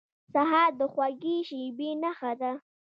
سهار د خوږې شېبې نښه ده.